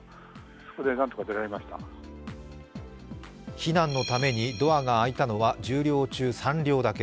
避難のためにドアが開いたのは、１０両中３両だけ。